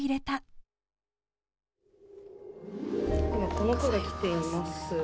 この句が来ています。